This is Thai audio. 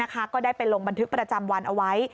ก็ได้ไปลงบันทึกประจำวันเอาไว้